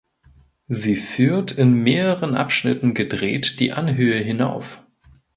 Sie führt in mehreren Abschnitten gedreht die Anhöhe hinauf.